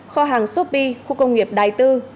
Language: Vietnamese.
kho hàng sopi khu công nghiệp đài tư